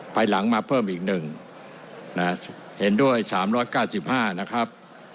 ไปหลังมาเพิ่มอีกหนึ่งนะฮะเห็นด้วยสามร้อยก้าสิบห้านะครับ